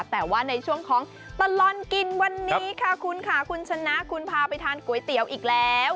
แต่ว่าในช่วงของตลอดกินวันนี้ค่ะคุณค่ะคุณชนะคุณพาไปทานก๋วยเตี๋ยวอีกแล้ว